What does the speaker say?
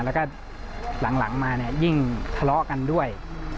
แล้วก็หลังมาเนี่ยยิ่งทะเลาะกันด้วย